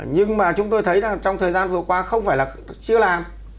nhưng mà chúng tôi thấy là trong thời gian vừa qua không phải là chưa làm